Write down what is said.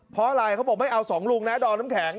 เพราะอะไรเขาบอกไม่เอาสองลุงนะดอมน้ำแข็ง